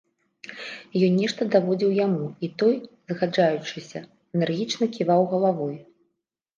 Ён нешта даводзіў яму, і той, згаджаючыся, энергічна ківаў галавой.